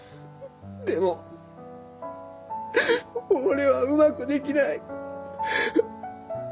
でも俺はうまくできない。